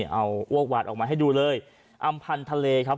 เอาอ้วกวาดออกมาให้ดูเลยอำพันธ์ทะเลครับ